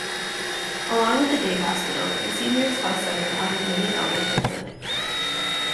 Along with the Day Hospital, the Seniors' Health Centre offers many Elder Care Clinics.